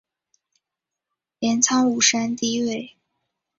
镰仓五山第一位。